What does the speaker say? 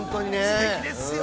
◆すてきですよ。